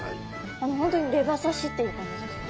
本当にレバ刺しっていう感じですね。